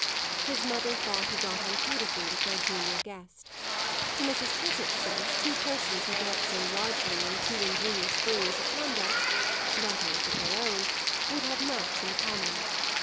His mother thought he got on beautifully with their genial guest; to Mrs. Touchett's sense two persons who dealt so largely in too ingenious theories of conduct that is of their own would have much in common.